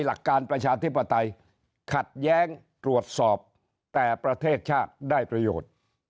หลักการประชาธิปไตยขัดแย้งตรวจสอบแต่ประเทศชาติได้ประโยชน์